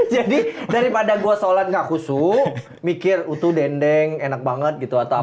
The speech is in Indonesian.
jadi daripada gue sholat nggak khusyuk mikir utuh dendeng enak banget gitu atau apa gitu